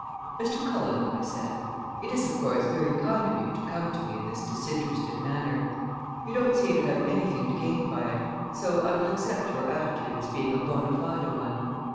"Mr. Cullen," I said, "it is, of course, very kind of you to come to me in this disinterested manner. You don't seem to have anything to gain by it, so I will accept your attitude as being a bona fide one.